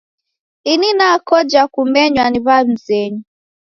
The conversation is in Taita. Ini nakoja kumenywa ni w'amzenyu